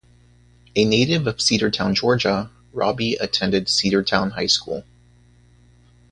A native of Cedartown, Georgia, Robby attended Cedartown High School.